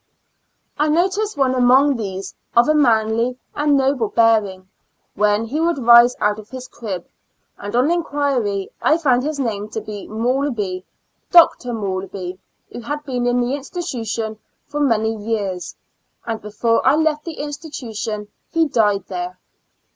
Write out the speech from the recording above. I noticed one among these, of a manly and noble bearing, when he would rise out of his crib ; and on inquiry, I found his name to be Maulby, Doctor Maulby, who had been in the institution for many years; and before I left the institution he died there.